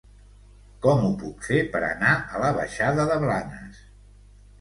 Com ho puc fer per anar a la baixada de Blanes?